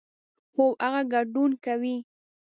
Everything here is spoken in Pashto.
هو، هغه ګډون کوي